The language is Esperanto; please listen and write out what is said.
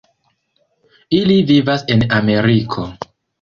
Ili vivas en Ameriko.